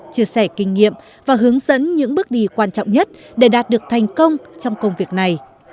chia sẻ kinh nghiệm và hướng dẫn những bước đi quan trọng nhất để đạt được thành công trong công việc này